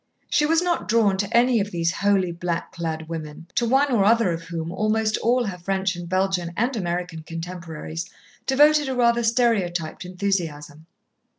She was not drawn to any of these holy, black clad women, to one or other of whom almost all her French and Belgian and American contemporaries devoted a rather stereotyped enthusiasm.